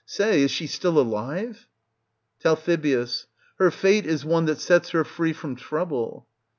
say, is she still alive ? Tal. Her fate is one that sets her free from trouble.